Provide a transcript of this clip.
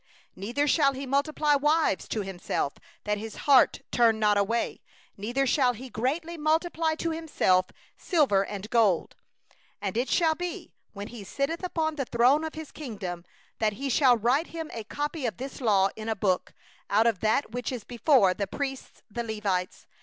17Neither shall he multiply wives to himself, that his heart turn not away; neither shall he greatly multiply to himself silver and gold. 18And it shall be, when he sitteth upon the throne of his kingdom, that he shall write him a copy of this law in a book, out of that which is before the priests the Levites.